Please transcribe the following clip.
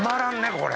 これ。